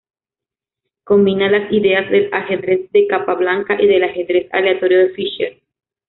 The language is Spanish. Combina las ideas del Ajedrez de Capablanca y del Ajedrez Aleatorio de Fischer.